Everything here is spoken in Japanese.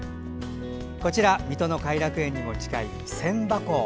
こちら水戸の偕楽園にも近い千波湖。